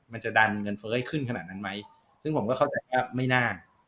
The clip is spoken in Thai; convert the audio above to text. มันจะดันเงินเฟ้อขึ้นขนาดนั้นไหมซึ่งผมก็เข้าใจว่าไม่น่า